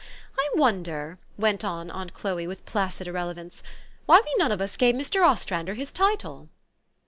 " I wonder," went on aunt Chloe, with placid ir relevance, " why we none of us gave Mr. Ostrander his title?"